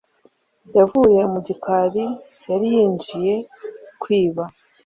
Yavuye mu gikari yari yinjiye kwiba